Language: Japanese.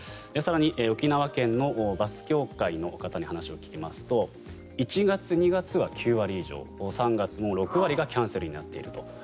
更に、沖縄県のバス協会の方に話を聞きますと１月、２月は９割以上３月も６割がキャンセルになっていると。